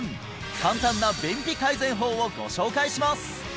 簡単な便秘改善法をご紹介します！